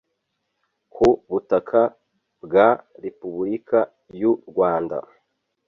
ku butaka bwa Repubulika y u Rwanda